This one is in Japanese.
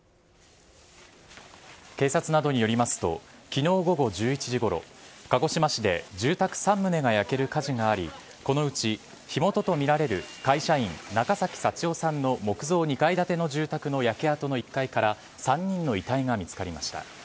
警察などによりますと、きのう午後１１時ごろ、鹿児島市で住宅３棟が焼ける火事があり、このうち火元と見られる会社員、中崎幸男さんの木造２階建ての住宅の焼け跡の１階から３人の遺体が見つかりました。